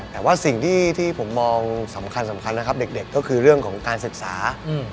แต่ว่าสิ่งที่ผมมองสำคัญนะครับเด็กก็คือเรื่องของการศึกษา